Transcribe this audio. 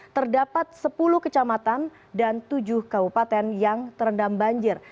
terdapat sepuluh kecamatan dan tujuh kabupaten yang terendam banjir